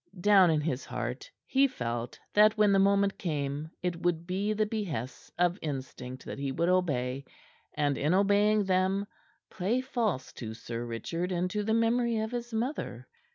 Down in his heart he felt that when the moment came it would be the behests of instinct that he would obey, and, in obeying them, play false to Sir Richard and to the memory of his mother.